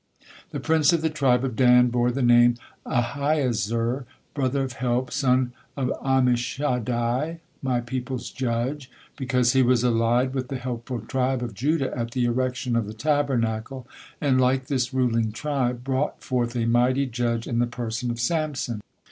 The prince of the tribe of Dan bore the name Ahiezer, "brother of help," son of Ammishaddai, "My people's judge," because he was allied with the helpful tribe of Judah at the erection of the Tabernacle, and like this ruling tribe brought forth a mighty judge in the person of Samson.